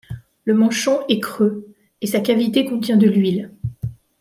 Le manchon est creux, et sa cavité contient de l'huile.